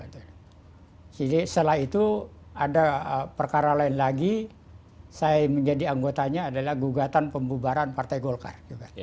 jadi setelah itu ada perkara lain lagi saya menjadi anggotanya adalah gugatan pembubaran partai golkar